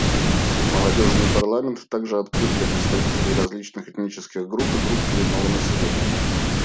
Молодежный парламент также открыт для представителей различных этнических групп и групп коренного населения.